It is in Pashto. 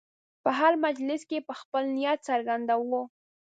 په هر مجلس کې به یې خپل نیت څرګنداوه.